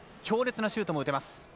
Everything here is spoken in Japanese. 強烈なシュートも打てます。